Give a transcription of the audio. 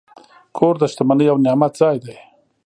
کور د شتمنۍ او نعمت ځای دی.